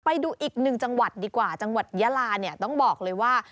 ไปดูอีกหนึ่งจังหวัดดีกว่าจังหวัดยาลาเนี่ยต้องบอกเลยว่า